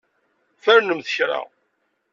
Fernemt kra.